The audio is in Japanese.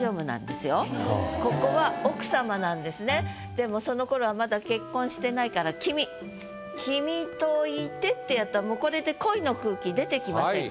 でもそのころはまだ結婚してないから「君」「君とゐて」ってやったらもうこれで恋の空気出てきませんか？